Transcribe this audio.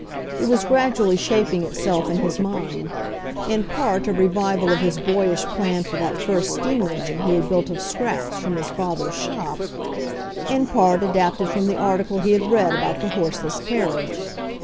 It was gradually shaping itself in his mind, in part a revival of his boyish plan for that first steam engihe he had built of scraps from his father's shop, in part adapted from the article he had read about the horseless carriage.